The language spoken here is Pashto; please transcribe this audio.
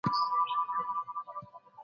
ډیپلوماسي د اقتصادي ودي لپاره ده.